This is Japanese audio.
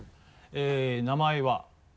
名前は？